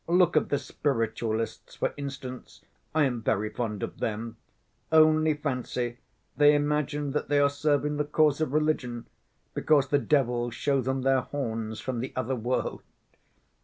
Look at the spiritualists, for instance.... I am very fond of them ... only fancy, they imagine that they are serving the cause of religion, because the devils show them their horns from the other world.